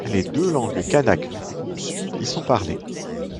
Les deux langues kanak du groupe sud y sont parlées.